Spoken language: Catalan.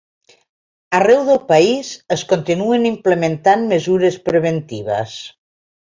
Arreu del país es continuen implementant mesures preventives.